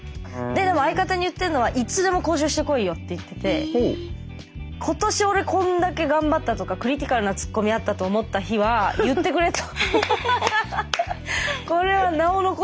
でも相方に言ってるのは「いつでも交渉してこいよ」って言ってて「今年俺こんだけ頑張った」とか「クリティカルなツッコミあったと思った日は言ってくれ」と。